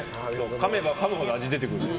かめばかむほど味が出てくるんだよ。